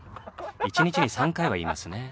一日に３回は言いますね。